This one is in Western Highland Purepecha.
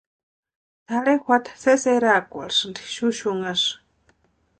Tʼarhe juata sésï eraakwarhisïnti xuxunasï.